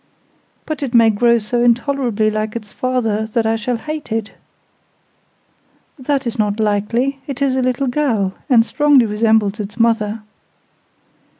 "But it may grow so intolerably like its father that I shall hate it." "That is not likely; it is a little girl, and strongly resembles its mother."